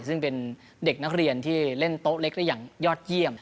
ซึ่งเป็นเด็กนักเรียนที่เล่นโต๊ะเล็กได้อย่างยอดเยี่ยม